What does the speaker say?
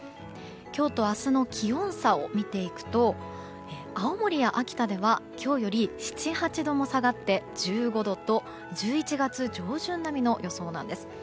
今日と明日の気温差を見ていくと青森や秋田では、今日より７８度も下がって１５度と１１月上旬並みの予想なんです。